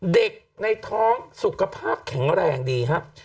เด็กในท้องสุขภาพแข็งแรงดีครับ